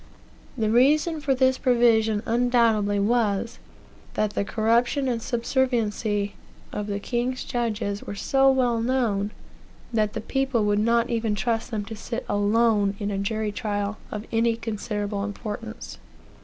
The reason for this provision undoubtedly was, that the corruption and subserviency of the king's judges were so well known, that the people would not even trust them to sit alone in a jury trial of any considerable importance.